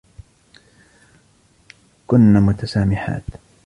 كنن متسامحات.